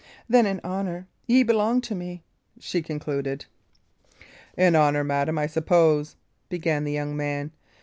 "Then, in honour, ye belong to me?" she concluded. "In honour, madam, I suppose" began the young man.